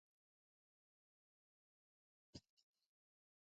بشپړ ریکارډ په واک کې لرو.